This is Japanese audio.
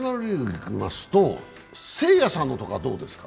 いきますと誠也さんのところはどうですか？